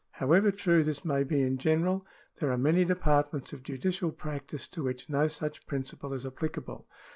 However true this may be in general, there are many departments of judicial practice to which no such principle is appHcable.